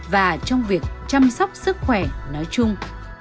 và trong việc chăm sóc sức khỏe nói chung